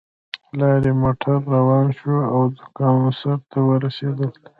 لارۍ موټر روان شو او د کان سر ته ورسېدل